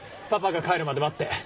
パパが帰るまで待って。